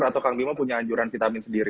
atau kang bima punya anjuran vitamin sendiri